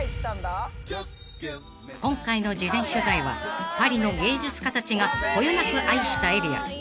［今回の事前取材はパリの芸術家たちがこよなく愛したエリア